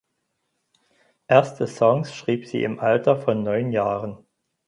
Erste Songs schrieb sie im Alter von neun Jahren.